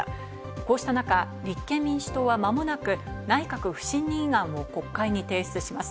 こうした中、立憲民主党はまもなく、内閣不信任案を国会に提出します。